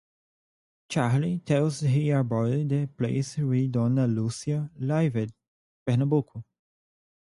Charley tells her about the place where Donna Lucia lived - Pernambuco.